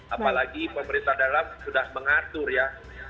apalagi pemerintah dalam sudah mengatur ya